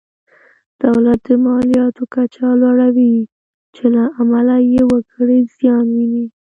دولت د مالیاتو کچه لوړوي چې له امله یې وګړي زیان ویني.